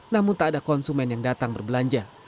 namun tak ada konsumen yang datang berbelanja